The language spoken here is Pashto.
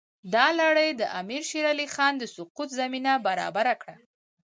دا لړۍ د امیر شېر علي خان د سقوط زمینه برابره کړه.